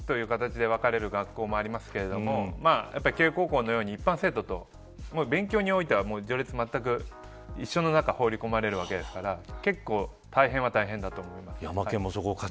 スポーツコースという形で分かれる学校もありますが慶応高校のように一般生徒と勉強においては序列はまったく一緒の中に放り込まれるわけですから結構大変だと思います。